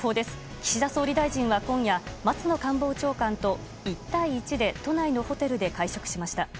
岸田総理大臣は今夜松野官房長官と１対１で都内のホテルで会食しました。